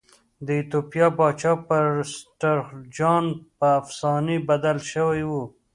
د ایتوپیا پاچا پرسټر جان پر افسانې بدل شوی و.